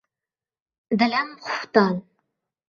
dilim-xufton.